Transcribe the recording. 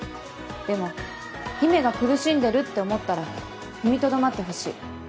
でも姫が苦しんでるって思ったら踏みとどまってほしい。